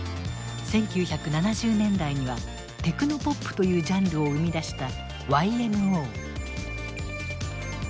１９７０年代にはテクノポップというジャンルを生み出したＹＭＯ。